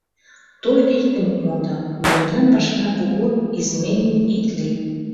Только иктым ит мондо: мемнан пашана кугу, изменник ит лий...